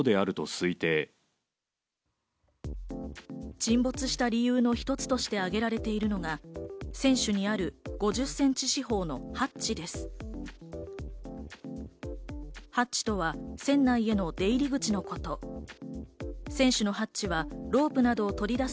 沈没した理由の一つとして挙げられているのが、船首にある５０センチ四方のハッチです。